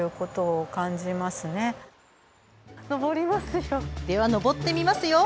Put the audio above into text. では、上ってみますよ。